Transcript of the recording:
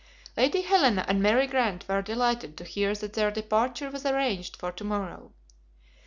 Lady Helena and Mary Grant were delighted to hear that their departure was arranged for to morrow.